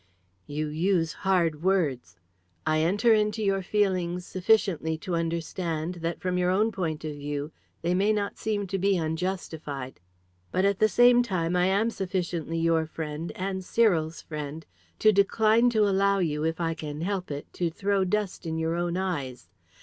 "You use hard words. I enter into your feelings sufficiently to understand that, from your own point of view, they may not seem to be unjustified. But at the same time I am sufficiently your friend, and Cyril's friend, to decline to allow you, if I can help it, to throw dust in your own eyes.